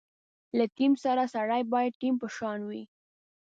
له ټیم سره سړی باید ټیم په شان وي.